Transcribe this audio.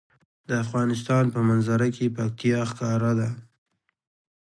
د افغانستان په منظره کې پکتیا ښکاره ده.